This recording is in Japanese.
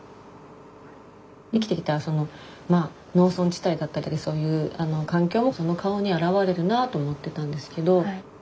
生きてきた農村地帯だったりそういう環境もその顔に表れるなと思ってたんですけど。